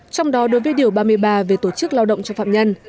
trong đó đối với điều ba mươi ba về tổ chức lao động cho phạm nhân